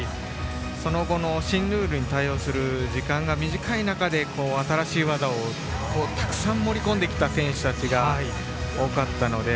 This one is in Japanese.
その後の新ルールに対応する時間が短い中で、新しい技をたくさん盛り込んできた選手たちが、多かったので。